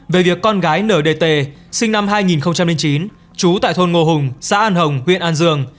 về việc con gái nở đề tề sinh năm hai nghìn chín trú tại thôn ngô hùng xã an hồng huyện an dương